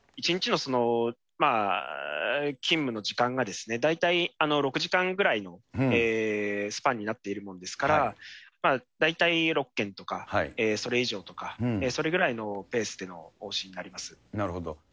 １日の勤務の時間が、大体６時間ぐらいのスパンになっているものですから、大体６件とか、それ以上とか、それぐらいのペースでの往診にななるほど。